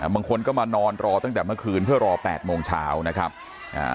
บางคนก็มานอนรอตั้งแต่เมื่อคืนเพื่อรอแปดโมงเช้านะครับอ่า